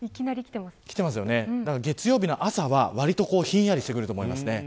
月曜日の朝はわりとひんやりしてくると思います。